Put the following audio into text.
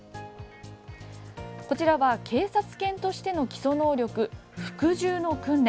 こちらは警察犬としての基礎能力、服従の訓練。